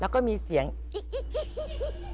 แล้วก็มีเสียงกิ๊ก